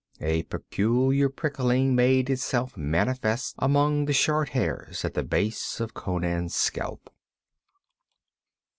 A peculiar prickling made itself manifest among the short hairs at the base of Conan's scalp.